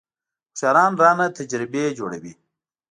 هوښیاران رانه تجربې جوړوي .